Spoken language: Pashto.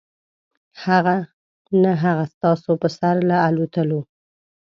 نه هغه ستاسو په سر له الوتلو .